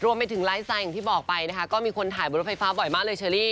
ไปถึงไลฟ์สไลอย่างที่บอกไปนะคะก็มีคนถ่ายบนรถไฟฟ้าบ่อยมากเลยเชอรี่